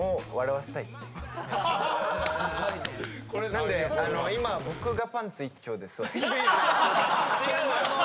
なんで今僕がパンツ一丁で座ってます。